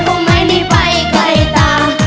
ก็ไม่ได้ไปไกลตาม